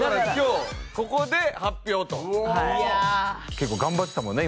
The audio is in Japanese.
結構頑張ってたもんね